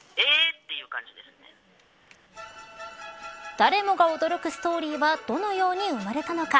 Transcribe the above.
誰もが驚くストーリーはどのように生まれたのか。